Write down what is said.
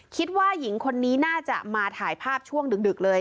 คิดว่าหญิงคนนี้น่าจะมาถ่ายภาพช่วงดึกเลย